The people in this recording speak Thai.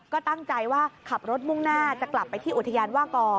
ก็ตั้งใจว่าขับรถมุ่งหน้าจะกลับไปที่อุทยานว่ากอ